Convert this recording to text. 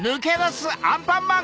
アンパンマン！